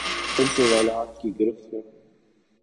میں ان سوالات کی گرفت میں ہوں۔